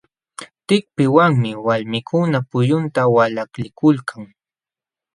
Tikpiwanmi walmikuna pullunta walaklikulkan.